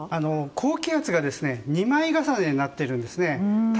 高気圧が２枚重ねになっているんですね。